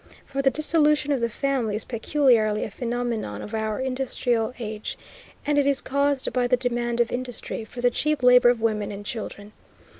For the dissolution of the family is peculiarly a phenomenon of our industrial age, and it is caused by the demand of industry for the cheap labor of women and children.